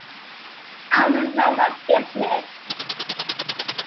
I am a man of business.